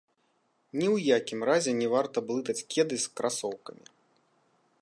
Ні ў якім разе не варта блытаць кеды з красоўкамі.